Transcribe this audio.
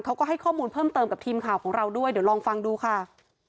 เขาก็ให้ข้อมูลเพิ่มเติมกับทีมข่าวของเราด้วยเดี๋ยวลองฟังดูค่ะ